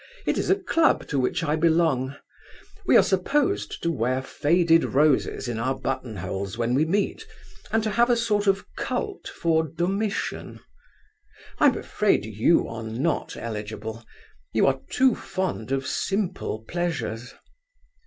It is a club to which I belong. We are supposed to wear faded roses in our button holes when we meet, and to have a sort of cult for Domitian. I am afraid you are not eligible. You are too fond of simple pleasures.